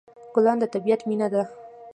ګلان د طبیعت مینه ده.